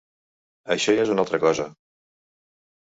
Això ja és una altra cosa.